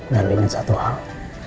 dan ingin satu hal